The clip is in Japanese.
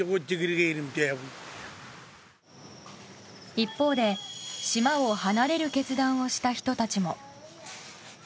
一方で島を離れる決断をした人たちも。